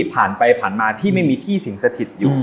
ผ่านไปผ่านมาที่ไม่มีที่สิงสถิตอยู่